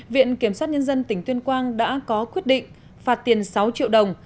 viện kiểm sát nhân dân tỉnh tuyên quang đã có quyết định phạt tiền sáu triệu đồng